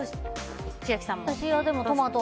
千秋さんも。